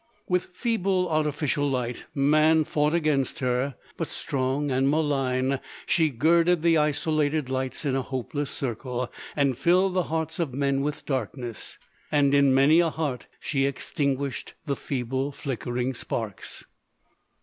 With feeble artificial light man fought against her, but strong and malign she girded the isolated lights in a hopeless circle, and filled the hearts of men with darkness. And in many a heart she extinguished the feeble flickering sparks.